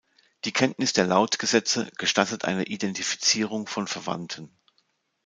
Die Kenntnis der Lautgesetze gestattet eine Identifizierung von Verwandten.